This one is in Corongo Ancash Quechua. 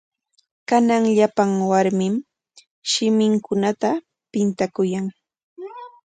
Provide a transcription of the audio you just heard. Kanan llapan warmim shiminkunata pintakuyan.